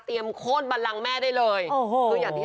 เตรียมโคตรบันลังแม่ได้เลย